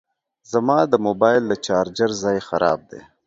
زما د موبایل د چارجر ځای خراب دی